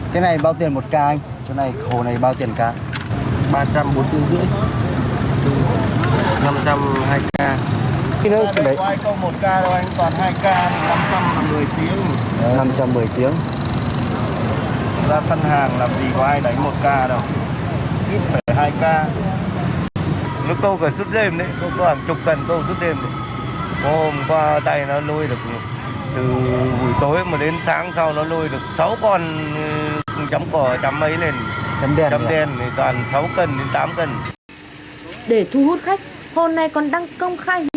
để thu hút khách hồ này còn đăng công khai hình ảnh thả cá trên mạng xã hội